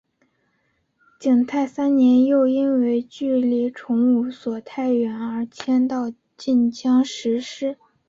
景泰三年又因为距离崇武所太远而迁到晋江石狮。